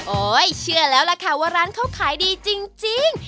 เชื่อแล้วล่ะค่ะว่าร้านเขาขายดีจริง